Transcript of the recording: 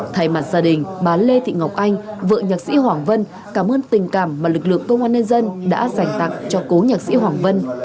thay mặt gia đình bà lê thị ngọc anh vợ nhạc sĩ hoàng vân cảm ơn tình cảm mà lực lượng công an nhân dân đã dành tặng cho cố nhạc sĩ hoàng vân